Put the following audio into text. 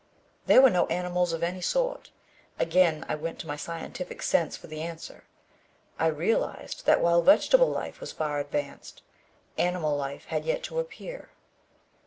There were no animals of any sort. Again I went to my scientific sense for the answer. I realized that while vegetable life was far advanced, animal life had yet to appear.